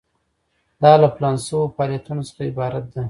دا له پلان شوو فعالیتونو څخه عبارت ده.